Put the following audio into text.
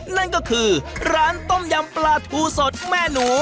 นั่นก็คือร้านต้มยำปลาทูสดแม่หนู